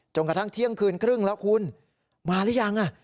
จนกระทั่งเที่ยงคืนครึ่งแล้วคุณมาแล้วยังอ่ะ